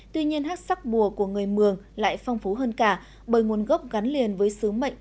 tuy nhiên hát sắc mùa của người mường lại phong phú hơn cả bởi nguồn gốc gắn liền với sứ mệnh